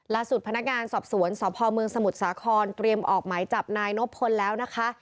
พนักงานสอบสวนสพเมืองสมุทรสาครเตรียมออกหมายจับนายนบพลแล้วนะคะ